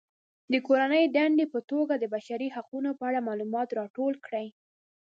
د کورنۍ دندې په توګه د بشري حقونو په اړه معلومات راټول کړئ.